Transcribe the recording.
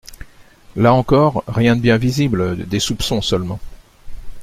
Là encore, rien de bien visible, des soupçons seulement